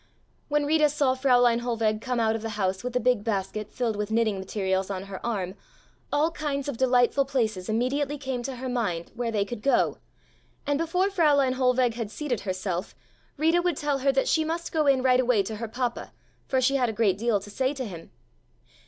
When Rita saw Fräulein Hohlweg come out of the house with a big basket filled with knitting materials on her arm all kinds of delightful places immediately came to her mind, where they could go, and before Fräulein Hohlweg had seated herself Rita would tell her that she must go in right away to her papa, for she had a great deal to say to him.